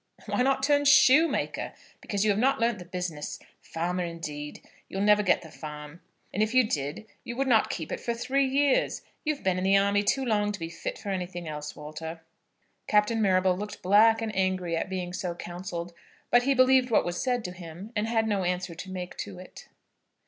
"Why not turn shoemaker? Because you have not learned the business. Farmer, indeed! You'd never get the farm, and if you did, you would not keep it for three years. You've been in the army too long to be fit for anything else, Walter." Captain Marrable looked black and angry at being so counselled; but he believed what was said to him, and had no answer to make to it.